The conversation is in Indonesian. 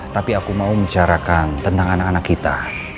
tapi aku mau membicarakan tentang anak anak kita